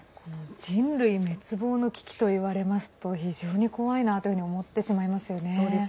人類滅亡の危機といわれますと非常に怖いなと思ってしまいますね。